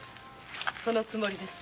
そのつもりです。